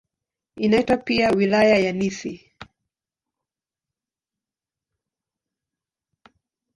Inaitwa pia "Wilaya ya Nithi".